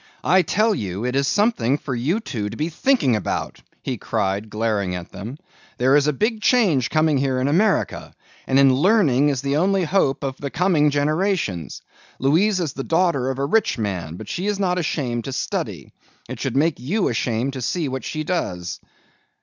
"I tell you it is something for you two to be thinking about," he cried, glaring at them. "There is a big change coming here in America and in learning is the only hope of the coming generations. Louise is the daughter of a rich man but she is not ashamed to study. It should make you ashamed to see what she does."